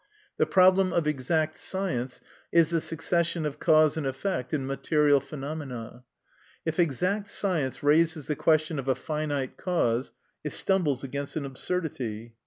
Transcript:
The problem of exact science is the succession of cause and effect in material phenomena. If exact science raises the question of a finite cause, it stumbles against an absurdity.